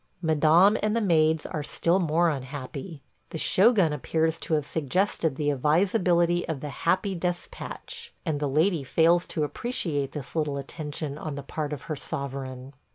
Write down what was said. ... Madame and the maids are still more unhappy. ... The shogun appears to have suggested the advisability of the "happy despatch," and the lady fails to appreciate this little attention on the part of her sovereign.